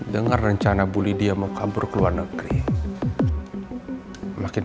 dengar rencana bulidia mau kabur ke luar negeri